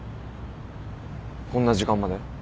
こんな時間まで？